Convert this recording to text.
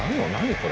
これ。